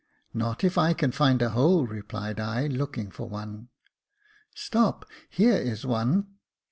" Not if I can find a hole," replied I, looking for one. " Stop, here is one."